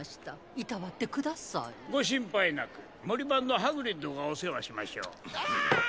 いたわってくださいご心配なく森番のハグリッドがお世話しましょうああ！